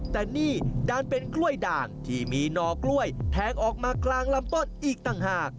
แต่นี่ดันเป็นกล้วยด่างที่มีหนอกล้วยแทงออกมากลางลำต้นอีกต่างหาก